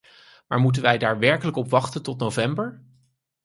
Maar moeten wij daar werkelijk op wachten tot november?